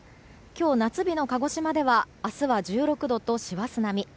今日、夏日の鹿児島では明日は１６度と師走並み。